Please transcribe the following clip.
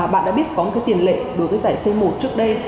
bạn đã biết có một tiền lệ đối với giải c một trước đây